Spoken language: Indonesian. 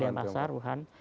di denpasar wuhan